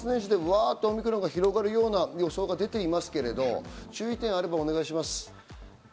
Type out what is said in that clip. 年末年始でワッとオミクロンが広がるような予想が出ていますけど、注意点があればお願いします。